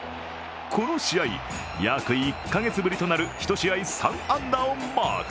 この試合、約１か月ぶりとなる１試合３安打をマーク。